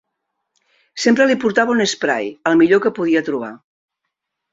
Sempre li portava un esprai, el millor que podia trobar.